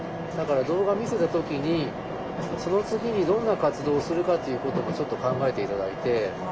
だから動画見せた時にその次にどんな活動をするかということもちょっと考えて頂いて。